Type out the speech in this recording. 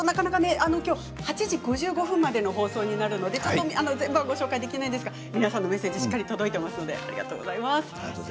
今日は８時５５分までの放送になるので全部はご紹介できないですが皆さんのメッセージしっかり届いていますのでありがとうございます。